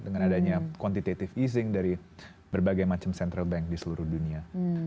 dengan adanya quantitative easing dari berbagai macam central bank di seluruh dunia